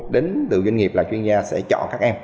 đến từ doanh nghiệp là chuyên gia sẽ chọn các em